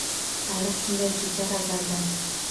Tarix shunday kechar azaldan.